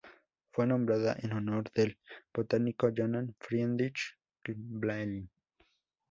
Fue nombrada en honor del botánico Johann Friedrich Gmelin.